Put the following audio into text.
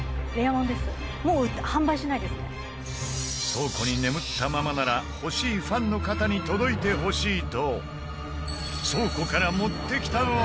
倉庫に眠ったままなら欲しいファンの方に届いてほしいと倉庫から持ってきたのは？